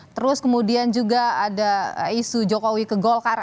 terus kemudian juga ada isu jokowi ke golkar